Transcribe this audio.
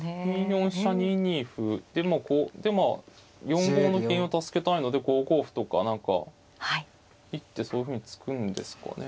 ２四飛車２二歩でまあ４五の銀を助けたいので５五歩とか何か一手そういうふうに突くんですかね。